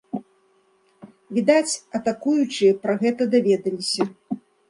Відаць, атакуючыя пра гэта даведаліся.